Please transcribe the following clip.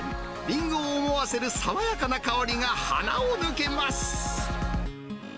リンゴを思わせる爽やかな香りが鼻を抜けます。